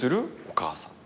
お母さんと。